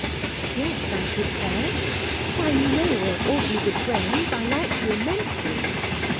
'Yes, I should care. Why, you know we're awfully good friends; I like you immensely.'